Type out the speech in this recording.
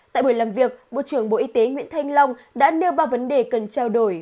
tại buổi làm việc bộ trưởng bộ y tế nguyễn thanh long đã nêu ba vấn đề cần trao đổi